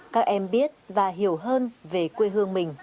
các em biết và hiểu hơn về quê hương mình